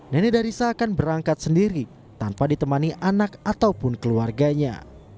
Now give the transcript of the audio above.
nenek darisa akan berangkat sendiri tanpa ditemani anak ataupun keluarganya